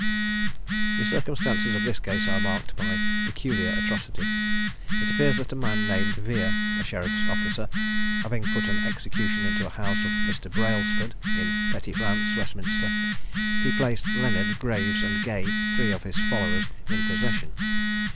The circumstances of this case are marked by peculiar atrocity. It appears that a man named Vere, a sheriff's officer, having put an execution into a house of Mr. Brailsford, in Petty France, Westminster, he placed Leonard, Graves, and Gay, three of his followers, in possession.